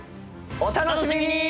お楽しみに！